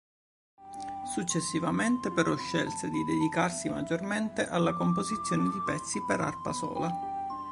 Successivamente, però, scelse di dedicarsi maggiormente alla composizione di pezzi per arpa sola.